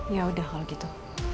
ya udah hal gitu